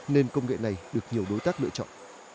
nên công nghệ này được nhiều đối tác lựa chọn